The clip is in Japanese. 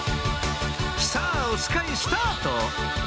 さぁおつかいスタート！